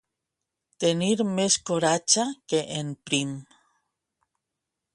Tenir més coratge que en Prim.